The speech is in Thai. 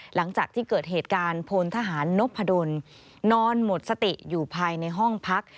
หลังจากที่เกิดเหตุการณ์พลทหารนพดลนอนหมดสติอยู่ภายในห้องพัก